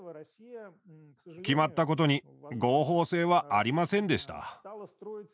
決まったことに合法性はありませんでした。